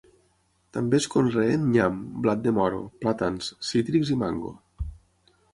També es conreen nyam, blat de moro, plàtans, cítrics i mango.